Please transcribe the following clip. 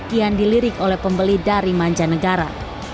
kian dilirik oleh pembeli dari mancanegara